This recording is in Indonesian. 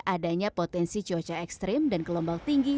adanya potensi cuaca ekstrim dan gelombang tinggi